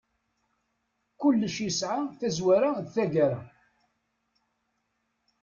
Kullec yesɛa tazwara d taggara.